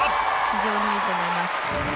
非常にいいと思います。